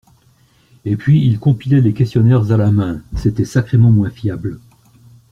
Et puis ils compilaient les questionnaires à la main, c’était sacrément moins fiable.